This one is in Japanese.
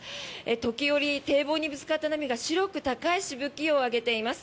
時折、堤防にぶつかった波が白く高いしぶきを上げています。